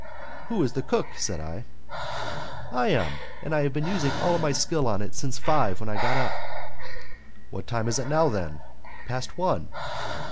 "Who is the cook?" said I. "I am, and I have been using all my skill on it since five, when I got up." "What time is it now, then?" "Past one."